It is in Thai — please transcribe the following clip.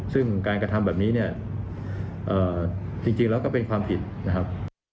ซึ่งการกระทำแบบนี้เนี่ยจริงแล้วก็เป็นความผิดนะครับ